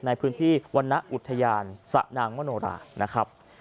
ในพื้นที่วรรณอุทยานสะนางมโนรานะครับ